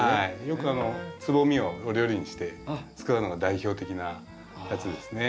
よくつぼみをお料理にして使うのが代表的なやつですね。